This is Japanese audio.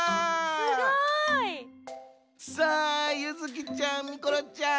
すごい！さあゆづきちゃん・みころちゃん